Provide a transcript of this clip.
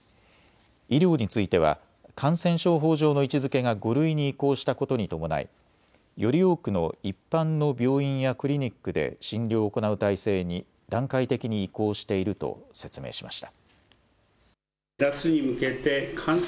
医療については感染症法上の位置づけが５類に移行したことに伴いより多くの一般の病院やクリニックで診療を行う体制に段階的に移行していると説明しました。